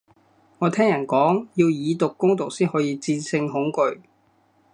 我聽人講，要以毒攻毒先可以戰勝恐懼